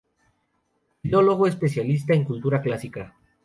Filólogo, especialista en Cultura Clásica.